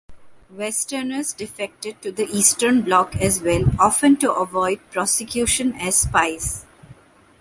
Westerners defected to the Eastern Bloc as well, often to avoid prosecution as spies.